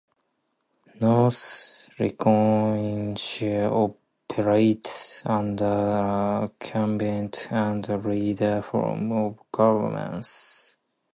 North Lincolnshire operates under a Cabinet and Leader form of governance.